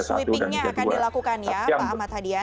sweepingnya akan dilakukan ya pak ahmad hadian